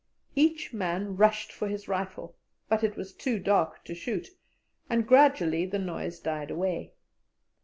Each man rushed for his rifle, but it was too dark to shoot, and gradually the noise died away.